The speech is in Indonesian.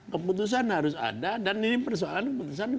keputusan harus ada dan ini persoalan keputusan